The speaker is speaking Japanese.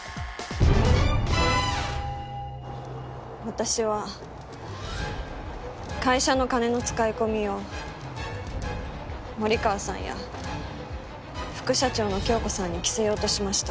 私は会社の金の使い込みを森川さんや副社長の響子さんに着せようとしました。